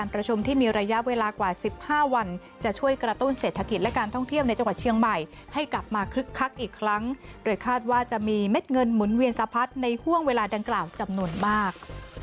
แปลงกล่าวจำนวนมาก